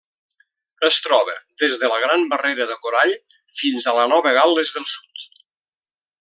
Es troba des de la Gran Barrera de Corall fins a Nova Gal·les del Sud.